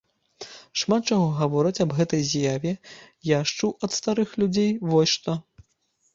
Шмат чаго гавораць аб гэтай з'яве, я ж чуў ад старых людзей вось што.